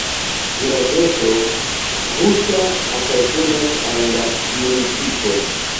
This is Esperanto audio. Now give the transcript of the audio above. Vilaĝeto "Huta" apartenas al la municipo.